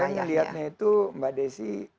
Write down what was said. saya melihatnya itu mbak desi